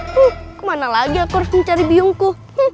kemana lagi aku harus mencari biongku